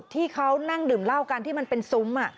ที่เขานั่งดื่มเหล้ากันที่มันเป็นซุ้ม